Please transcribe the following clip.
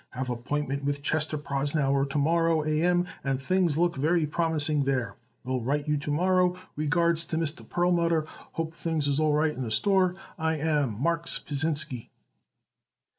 Have appointment with Chester Prosnauer to morrow A M and things look very promising there. Will write you to morrow. Regards to Mr. Perlmutter. Hoping things is all right in the store, I am, MARKS PASINSKY.